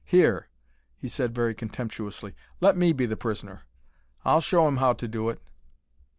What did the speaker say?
"Here," he said, very contemptuously, "let me be the prisoner. I'll show 'im how to do it."